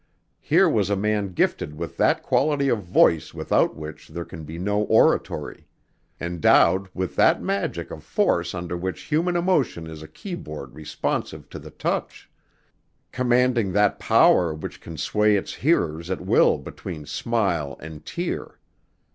Here was a man gifted with that quality of voice without which there can be no oratory; endowed with that magic of force under which human emotion is a keyboard responsive to the touch; commanding that power which can sway its hearers at will between smile and tear.